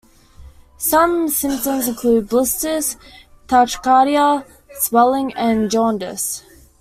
Some symptoms include blisters, tachycardia, swelling, and jaundice.